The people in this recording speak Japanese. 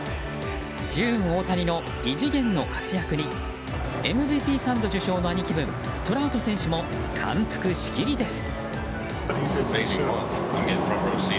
ジューン・オオタニの異次元の活躍にＭＶＰ３度受賞の兄貴分トラウト選手も感服しきりです。